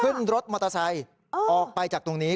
ขึ้นรถมอเตอร์ไซค์ออกไปจากตรงนี้